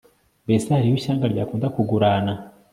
mbese hariho ishyanga ryakunda kugurana